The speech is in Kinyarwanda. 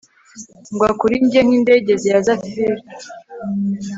Ngwa kuri njye nkindege ya zephire